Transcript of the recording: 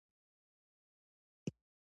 تر طلایي ګنبدې لاندې لږ وګرځېدم.